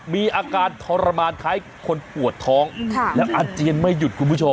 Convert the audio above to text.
มีอาการทรมานคล้ายคนปวดท้องแล้วอาเจียนไม่หยุดคุณผู้ชม